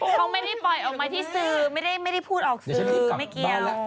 เขาไม่ได้ปล่อยออกมาที่สื่อไม่ได้พูดออกสื่อไม่เกี่ยว